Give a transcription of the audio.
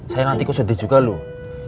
saya nanti kok sedih juga loh